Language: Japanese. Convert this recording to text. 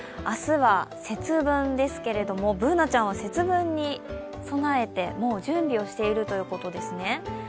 明日は節分ですけれども、Ｂｏｏｎａちゃんは節分に備えてもう準備をしているということですね。